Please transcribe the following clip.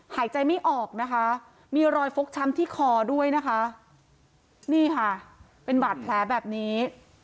หายใจไม่ออกนะคะมีรอยฟกช้ำที่คอด้วยนะคะนี่ค่ะเป็นบาดแผลแบบนี้